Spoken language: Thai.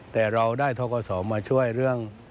แต่เราได้ทกศมาช่วยเรื่อง